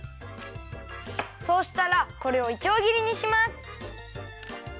そうしたらこれをいちょうぎりにします。